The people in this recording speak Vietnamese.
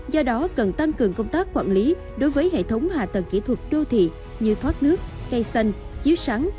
do đó cần tăng cường công tác quản lý đối với hệ thống hạ tầng kỹ thuật đô thị như thoát nước cây xanh chiếu sáng